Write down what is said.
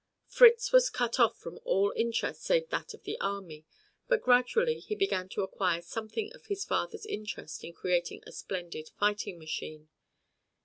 Fritz was cut off from all interests save that of the army, but gradually he began to acquire something of his father's interest in creating a splendid fighting machine.